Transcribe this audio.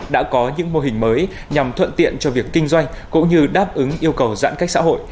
đã có những mô hình mới nhằm thuận tiện cho việc kinh doanh cũng như đáp ứng yêu cầu giãn cách xã hội